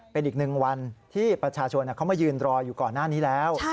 เป็นอีกหนึ่งวันที่ประชาชนเขามายืนรออยู่ก่อนหน้านี้แล้ว